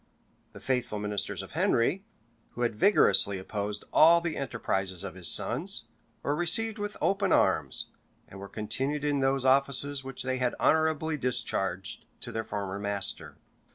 The faithful ministers of Henry, who had vigorously opposed all the enterprises of his sons, were received with open arms, and were continued in those offices which they had honorably discharged to their former master.